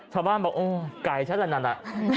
ชาวบ้านบอกโอ้ไก่ฉันละนั่นน่ะ